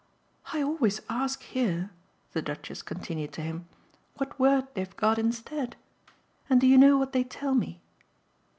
"I always ask here," the Duchess continued to him, "what word they've got instead. And do you know what they tell me?"